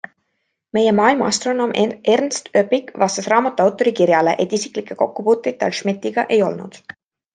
Meie maailmaastronoom Ernst Öpik vastas raamatu autori kirjale, et isiklikke kokkupuuteid tal Schmidtiga ei olnud.